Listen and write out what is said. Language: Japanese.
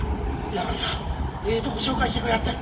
八神さんええとこ紹介してくれはった。